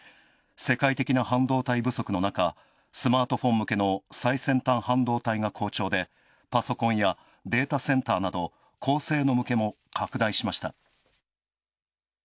世界的な半導体不足の中スマートフォン向けの最先端半導体が好調でパソコンやデータセンターなど高性能向けも拡大しました。